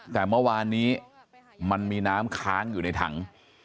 แต่เมื่อวานนี้มันมีน้ำค้างอยู่ในถัง